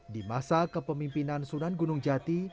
di masa kepemimpinan sunan gunung jati